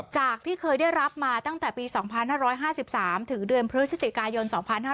จากที่เคยได้รับมาตั้งแต่ปี๒๕๕๓ถึงเดือนพฤศจิกายน๒๕๕๙